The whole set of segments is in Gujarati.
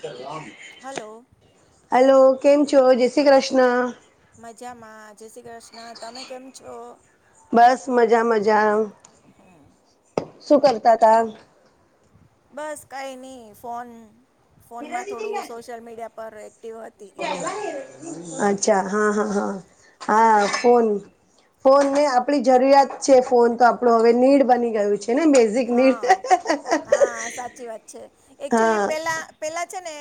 સલામ હલો. હલો કેમ છો? જય શ્રી ક્રશ્ર્ન. મજામાં, જય શ્રી ક્રશ્ર્ન. તમે કેમ છો? બસ મજા મજા આવ શું કરતા હતા. બસ કઈ નહીં ફોન ફોનમાં થોડું સોશિયલ મીડિયા પર એક અચ્છા હા હા હા હા ફોન ફોન ને આપડી જરૂરિયાત છે ફોન તો આપડુ હવે નીડ બની ગયું છે ને નીડ. બેઝિક હા હા સાચી વાત છે એકક્ચુલી હા પેલા પેલા છે ને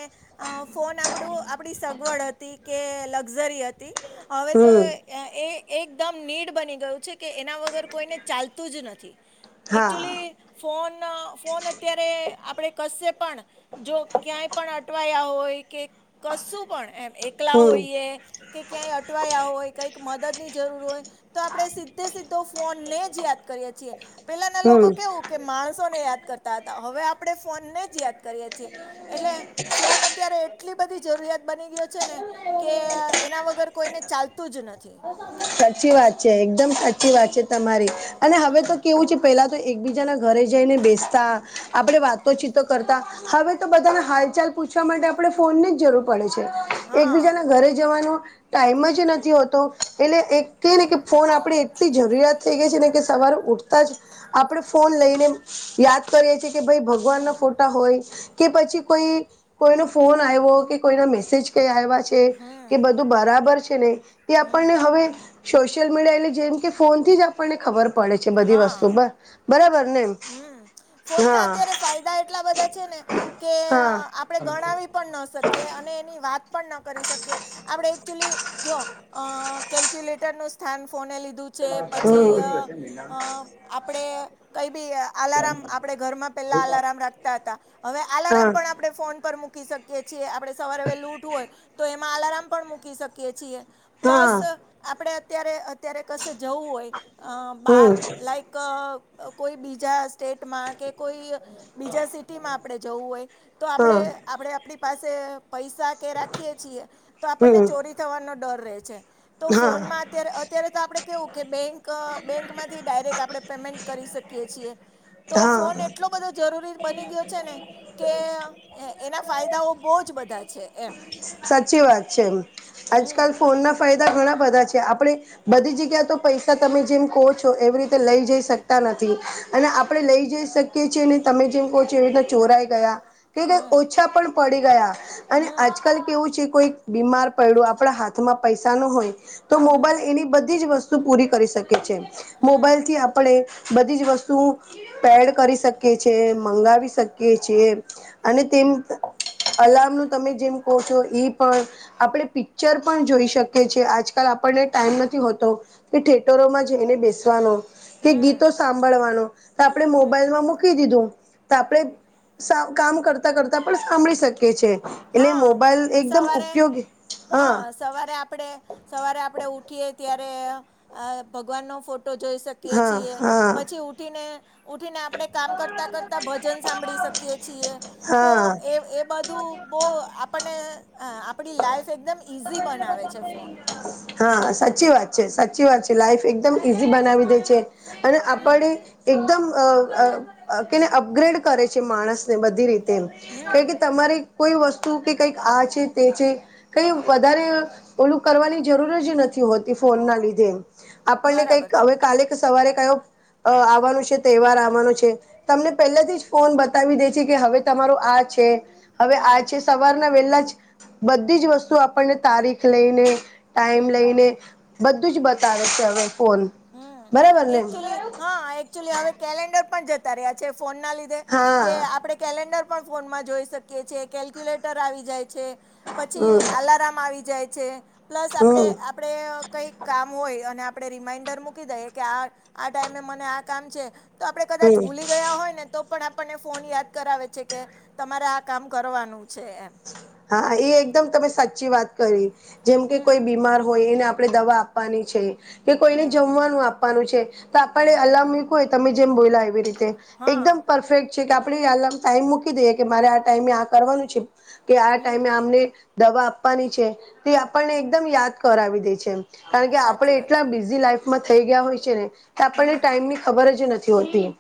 અ ફોન આપડુ આપડી સગવડ હતી કે લક્ઝરી હતી હવે તો હમ એ અ એ એકદમ નીડ બની ગયું છે કે એના વગર કોઈને ચાલતું જ નથી. હા એક્ચુલી ફોન ફોન અત્યારે આપડે કશે પણ જો ક્યાંય પણ અટવાયા હોય કે કશું પણ એમ એકલા હમ હોઈએ કે ક્યાંય અટવાયા હોય કંઈક મદદની જરૂર હોય તો આપડે સીધે સીધો ફોનને જ યાદ કરીએ છીએ. પેલાના લોકો હમ કેવું કે માણસોને યાદ કરતા હતા હવે આપડે ફોનને જ યાદ કરીએ છીએ એટલે ફોન અત્યારે એટલી બધી જરૂરિયાત બની ગયો છે ને કે એના વગર કોઈને ચાલતું જ નથી. સાચી વાત છે એકદમ સાચી વાત છે તમારી અને હવે હમ તો કેવું છે પેલા ના એક બીજા ના ઘરે જઈને બેસતા આપણડે વાતોચીતો કરતા હવે તો બધાને હાલચાલ પૂછવા માટે આપડે ફોનની જ જરૂર પડે છે. એક હા બીજા ના ઘરે જવાનો ટાઈમ જ નથી હોતો એટલે એક કે ને કે ફોન આપડે એટલી જરૂરિયાત થઈ ગઈ છે ને કે સવારે ઉઠતા જ આપડે ફોન લઈને યાદ કરીએ છેએ કે ભાઈ ભગવાન ના ફોટા હોય કે પછી કોઈ કોઈનો ફોન આવ્યો કે કોઈના મેસેજ કે આવ્યા છે કે બધું બરાબર છે ને એ હમ આપણને હવે સોશિયલ મીડિયા એટલે જેમ કે ફોનથી જ આપણને ખબર પડે છે બધી વસ્તુ બ બરાબર ને એમ. હમ્મ ફોનના હા અત્યારે ફાયદા એટલા બધા છે ને કે હા આપડે ગણાવી પણ ન શકીએ અને એની વાત પણ ન કરી શકીએ આપડે એકચુલી જો અહ કેલ્ક્યુલેટર નું સ્થાન ફોને લીધું જે પછી હમ અહ અહ આપડે કઈ બી અહ આલારમ આપે ઘર માં પેલા અલારમ રાખતા હતા હવે આલારમ હા પણ આપ આપડે ફોન પર મૂકી શકીએ છી આપડે સવારે વહેલું ઊઠું હોય તો એ આલાર્મ પણ મૂકી શકીએ છીએ હા પ્લસ અહ આપડે અત્યારે અત્યારે કશે જવું હોય અહ બાર હમ લાઈક અહ કોઈ બીજા સ્ટેટમાં કે કોઈ બીજા સિટીમાં આપડે જવું હોય તો હા આપડે આપડે આપડી પાસે પૈસા કે રાખીએ છીએ તો આપણને હમ ચોરી થવાનો ડર રહે છે. તો હા ફોનમાં અત્યારે અત્યારે તો આપડે કેવું કે બેંક અહ બેંકમાંથી ડાયરેક્ટ આપડે પેમેન્ટ. કરી શકીએ છીએ. તો હા ફોન એટલો બધો જરૂરી બની ગયો છે ને કે એના ફાયદાઓ બહુ જ બધા છે. છે એમ. સાચી વાત છે હમ આજકાલ ફોનના ફાયદા ઘણા બધા છે આપડે બધી જગ્યા તો પૈસા તમે જેમ કહો છો એવી રીતે લઈ જઈ શકતા નથી અને આપડે લઈ જઈ શક કે છે ને તમે જેમ કહો છો એ રીતના ચોરાય ગયા કે કઈ હમ ઓછા પણ પડી ગયા અને હમ આજકાલ કેવું છે કોઈ બીમાર પડડું આપડા હાથમાં પૈસાનો હોય તો હમ મોબાઈલ એની બધી જ વસ તે પૂરી કરી શકી છે હમ મોબાઈલથી આપડે બધી જ વસ્તુ પેડ કરી શકી છે મંગાવી શકીએ છીએ અને તેમ અલાર્મ નું તમે જેમ કહો છો એ પણ આપડે પિક્ચર પણ જોઈ શક શકે્ય છે આજકાલ આપણને ટાઈમ નથી હોતો કે થેટરોમાં જઈને બેસવાનો કે હમ ગીતો સાંભળવાનો તો આપડે મોબાઈલમાં મૂકી દીધું તો આપડે સાવ કામ કરતા કરતા પણ સાંભળી શકીએ છે. એટલે હા મોબાઈલ અને એકદમ સવારે ઉપયોગી હ હા સવારે આપડે સવારે આપડે ઉઠીએ ત્યારે અહ ભગવાનનો ફોટ તો જોઈ શકીએ હા છીએ હા પછી ઉઠીને ઉઠીને આપણે કામ કરતાં કરતાં ભજન સાંભળી શકીએ છીએ તો હા એ એ બધું તો આપણને આપણી લાઈફ એકદમ ઈઝી બનાવે છે ફોન હા સાચી વાત છે સાચી વાત છે લાઈફ એકદમ ઈઝી બનાવી દે છે અને હમ આપણે એકદમ અ અ કેને અપગ્રેડ કરે છે માણસને બધી રીતે કે હમ કે તમારી કોઈ વસ્તુ કે કઈક આ છે તે છે કઈ વધારે ઓલું કરવાની જરૂર જ નથી હોતી ફોન ના લીધે આપણને બરાબર કઈક છે હવે કાલે સવારે કયો આવવાનું છે તહેવાર આવાનું છે તમને પહેલાથી જ બતાવી દે છે કે હવે તમારું આ છે હવે હમ આ સવારના વહેલા બધી જ વસ્તુ આપણને તારીખ લઈને ટાઈમ હમ લઈને બધું જ બતાવે છે હવે ફોન બરાબર હમ ને એકચુલી હા એકચુલી હવે કેલેન્ડર પણ જતા રહ્યા એ ફોન ના લીધે હા કે આપડે કેલેન્ડર પણ ફોનમાં જોઈ શકીએ છીએ કેલ્ક્યુલેટર આવી હમ જાય અલાર રામ આવી જાય છે પ્લસ હમ આપડે આપડે કઈ કામ હોય અને આપ રિમાન્ડર મૂકી દઈએ કે આ આ ટાઈમે મને આ કામ છે તો આપણે કદાચ હમ ભૂલી ગયા હોય ને તો પણ આપણને ફોન યાદ કરાવે છે કે તમારે આ કામ કરવાનું છે એમ હા એ એકદમ તમે સાચી વાત કરી જેમ કે હમ કોઈ બીમાર હોય એને આપ આપણે દવા આપવાની છે કે કોઈને હમ જમવાનું આપ વનું છે તો આપણે અલામ મુયકો હોય તમે જેમ બોયલા એવી રીતે હા એકદમ પરફેક્ટ છે કે આપણેે હાલ ટાઈમ મૂકી દઈએ કે મારે આ ટાઈમે આ કરવાનું છે કે આ હમ ટાઈમે આમને દવા આપવાની છે તે આપણને એકદમ યાદ કરાવી દે છે કારણ કે આપણે સાચી વાત એટલા છે બિઝી લાઈફમાં થઈ ગયા હોય છે ને કે આપણને ટાઈમ ની ખબર જ નથી હોતી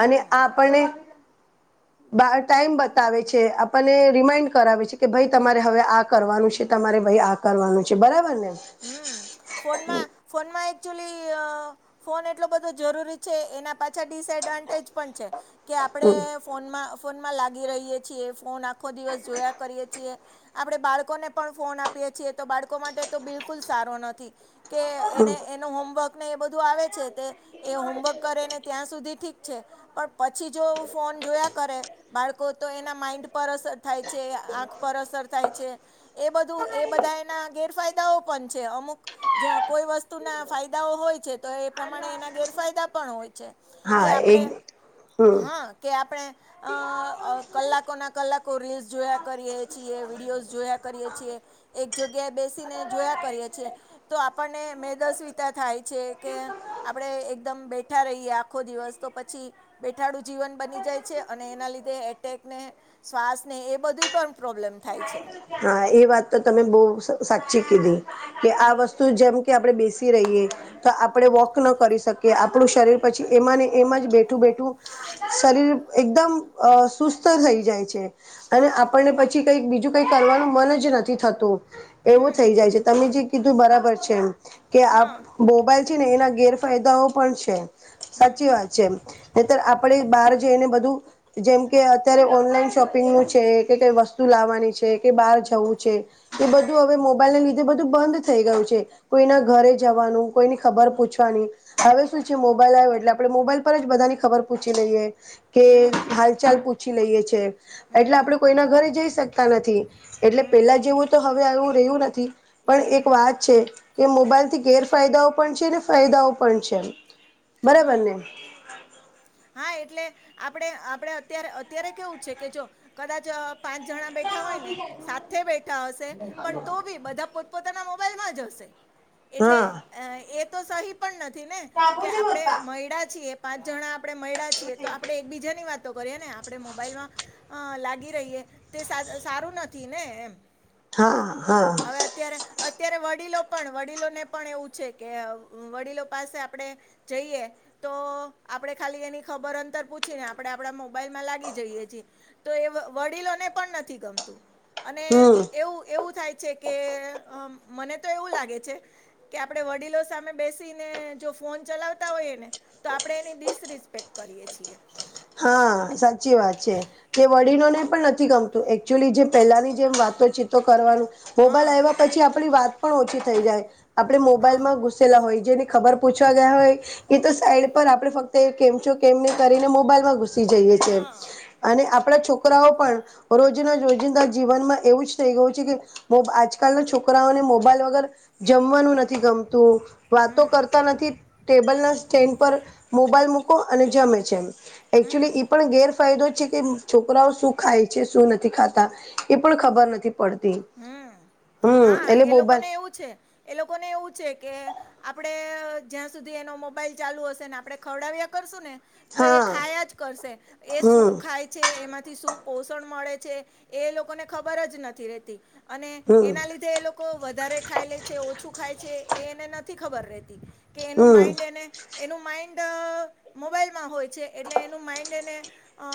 અને આપણને બા ટાઈમ બતાવે છે આપણને રિમાઈન્ડ કરાવે છે કે ભાઈ તમારે હવે આ કરવાનું છે તમારે ભાઈ આ કરવાનું છે બરાબર ને હમ ફોનમાં ફોનમાં એકચુલી અ ફોન એટલો બધો જરૂરી છે એના પાછા ડિસએડવાન્ટેજ પણ છે કે હમ આપણેે ફોનમાં ફોનમાં લાગી રહીયે છીએ ફોન આખો દિવસ જોયા કરીએ છીએ આપડે બાળકોને પણ ફોન આપીએ છીએ તો બાળકો માટે તો બિલકુલ સારો નથી કે એને એનું હોમવર્ક એ બધું આવે છે તે એ હોમવર્ક કરે ને ત્યાં સુધી ઠીક છે પણ પછી જો ફોન જોયા કરે બાળકો તો એના માઈન્ડ પર અસર થાય છે આંખ પર અસર થાય છે એ બધું એ બધા એના ગેરફાયદા પણ છે અમુક જ્યાં કોઈ વસ્તુ વસ્તુ ના ફાયદાઓ હોય છે તો એ પ્રમાણે એના ગેરફાયદા પણ હોય છે કે હા આપણે એક હમ હા કે આપણે અ કલાકોના કલાકો રીલ્સ જોયા કરીએ છીએ વિડીયોઝ જોયા કરીએ છીએ એક જગ્યાએ બેસીને જોયા કરીએ છીએ તો આપણને મેદસ્વિતા થાય છે કે આપણે એકદમ બેઠા રહીએ આખો દિવસ તો પછી બેઠાડું જીવન બની જાય છે અને એના લીધે એટેકને શ્વાસને એ બધુંય તો પ્રોબ્લેમ થાય છે હા એ વાત તો તમે બહુ સાચી કીધી કે આ વસ્તુ જેમ કે આપણે બેસી રહીએ તો આપણે વોક ન કરી શકીએ. આપણું શરીર પછી એમાંને એમાં જ બેઠું- બેઠું શરીર એકદમ સુસ્ત થઈ જાય છે. અને હા આપણને પછી કઈક બીજું કઈ કરવાનું મન જ નથી થતું. એવું હમ થઈ જાય છે તમે જે કીધું બરાબર છે કે આ હા મોબાઈલ છે ને એના ગેરફાયદાઓ પણ છે. સાચી વાત છે નીતર આપડે બહાર જઈને બધું જેમ કે અત્યારે ઓનલાઈન શોપિંગનું છે કે કંઈ વસ્તુ લાવવાની છે કે બહાર જવું છે. એ બધું હવે મોબાઈલને લીધે બધું બંધ થઈ ગયું છે. કોઈના ઘરે જવાનું, કોઈની ખબર પૂછવાની. હવે શું છે મોબાઈલ આયવું એટલે આપણે મોબાઈલ પર જ બધાની ખબર પૂછી લઈએ. કે હાલ ચાલ પૂછી લઈએ છે એટલે આપડે કોઈના ઘરે જઈશ સકતા નથી એટલે પેલા જેવું તો હવે આવું રહ્યું નથી પણ એક હમ વાત છે. કે મોબાઈલ થી ગેરફાયદાઓ પણ છે ફાયદાઓ પણ છે બરાબર ને. હા, એટલે આપણે -આપણે, અત્યારે -અત્યારે કેવું છે કે જો કદાચ અ પાંચ જણા બેટ બેઠા હોય ને સાથે બેઠા હશે પણ તો બી બધા પોતપોતાના મોબાઈલ માંજ હશે. એટલે હા અ એ તો સહી પણ નથી ને કે આપણેે મઇડા છીએ પાંચ જણા આપણે મઇડા છીએ તો આપણે એકબીજાની વાતો કરીએ ને. આપડે મોબાઈલમાં લાગી રહીએ તે સારું નથી ને એમ. હા- હા. હવે અત્યારે -અત્યારે વડીલો પણ વડીલોને પણ એવું છે કે વડીલો પાસે આપડે જઈએ તો આપડે ખાલી એની ખબર અંતર પૂછીને આપડે આપડા મોબાઈલ માં લાગી જઈએ છીએ. તો એ વડીલોને પણ નથી ગમતું અને હમ એવું- એવું થાય છે. કે મને તો એવું લાગે છે. કે આપડે વડીલો સામે બેસીને જો ફોન ચલાવતા હોઈએ ને તો આપડે એની દિશ રિસ્પેક્ટ કરીએ છીએ. હા, સાચી વાત છે. કે વડીનોને પણ નથી ગમતું. એકચુઅલી જે પહેલાની જેમ વાતો ચીતો કરવાનું. મોબાઈલ હા આવ્યા પછી આપણી વાત પણ ઓછી થઈ જાય. આપણે હા મોબાઈલમાં ઘુ સેલા હોય જેને ખબર પૂછવા ગયા હોય એ તો સાઈડ પર. આપણે ફક્ત કેમ છો કેમને કરીને મો મોબાઈલ માં ઘુસી જઈએ છે. હા અને આપણા છોકરાઓ પણ રોજના રોજિંદા જીવનમાં એવું જ થઈ ગયું છે કે આજકાલના છોકરાઓને મોબાઈલ વગર જમવાનું નથી ગમતું. હમ વાતો હમ કરતા નથી ટેબલ ના સ્ટેન્ડ પર મોબાઈલ મૂકો અને જમે છેમ. હમ એકચુલી પણ ગેર ફાયદો છે કે છોકરાઓ શું ખાય છે શું નથી ખાતા એ પણ ખબર નથી પડતી. હમ હમ, હા એટલે એ મોબા લોકોને એવું છે. એ લોકો ને એવું છે કે આપડે જ્યાં સુધી એનો મોબાઈલ ચાલુ હશે ને આપડે ખવડાવ્યા કરશું ને તો એ હા ખાયા જ કરશે એ શું હમ ખાય છે એમાંથી શું પોષણ મળે છે એ લોકોને ખબર જ નથી રહેતી. અને હમ એના લીધે એ લોક કો વધારે ખાઈ લે છે ઓછું ખાય છે એ એને નથી ખબર રહેતી કે એનું હમ માઈન્ડ એને એનું માઇન્ડ મોબાઈલમાં હોય છે એટલે એનું માઈન્ડ એને અ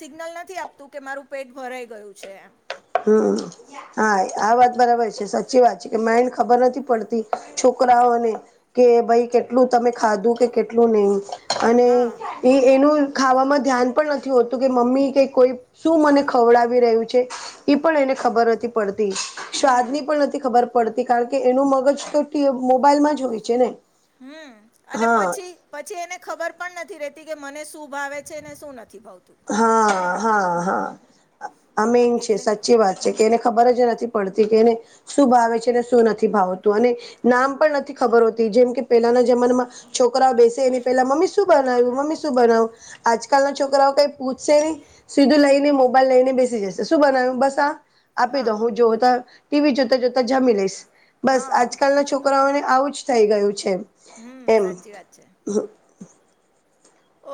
સિગ્નલ નથી આપતું કે મારું પેટ ભરાઈ ગયું છે એમ હમ્મ. હા આ વાત બરાબર છે સાચી વાત છે કે માઇન્ડ ખબર નથી પડતી છોકરાઓને કે ભાઈ કેટલું તમે ખાધું કેટલું નહીં અને હા એ એનું ખાવામાં ધ્યાન પણ નથી હોતું કે મમ્મી કે કોઈ શું મને ખવડાવી રહ્યું છે એ પણ એને ખબર પડતી સ્વાદની હમ પણ ની ખબર પડતી કારણ કે એનું મગજ તો તે મોબાઈલમાં જ હોય છે ને હમ્મ અને હા પછી પછી એને ખબર પણ નથી રેતી કે મને શું ભાવે છે ને શું નથી ભાવતું હા હા હા અમેન છે સાચ એટલે સાચી વાત છે કે એને ખબર જ નથી પડતી કે એને શું ભાવે છે અને શું નથી ભાવતું અને નામ પણ નથી ખબર હોતી જેમ કે પેલાના જમાનામાં છોકરાઓ બેસે હમ એની પેલા મમ્મી શું બનાવ્યું મમ્મી શું બનાવું આજકાલના છોકરાઓ કઈ પૂછશે નહી સીધું લઈને મોબાઈલ લઈને બેસી જશે શું બનાયુ બસ આ આપી દો હા હું જોતા ટીવી જોતા જોતા જમી લઈશ. બસ હા આજકાલના છોકરાઓને આવું જ થઈ ગયું છે એમ હમ સાચી વાત છે હમ્મ.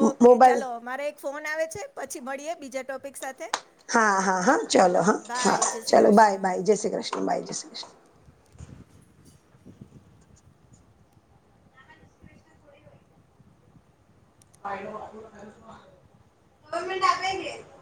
ઓકે મોબાઈલ ચાલો મારે એક ફોન આવે છે પછી મળીએ બીજા ટોપિક સાથે હા હા હા ચલો હા હા બાય જય શ્રી ચલો ભાય કૃષ્ણ ભાય જય શ્રી કૃષ્ણ બાય જય શ્રી કૃષ્ણ [unintelligible]